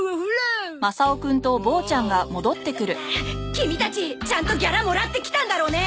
キミたちちゃんとギャラもらってきたんだろうね？